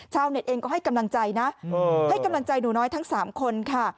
เน็ตเองก็ให้กำลังใจนะให้กำลังใจหนูน้อยทั้ง๓คนค่ะ